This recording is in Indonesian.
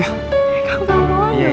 eh kamu mau dong